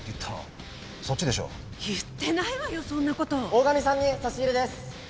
大神さんに差し入れです。